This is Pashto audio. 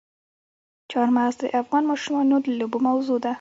چار مغز د افغان ماشومانو د لوبو موضوع ده.